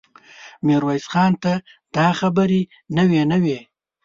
ميرويس خان ته دا خبرې نوې نه وې.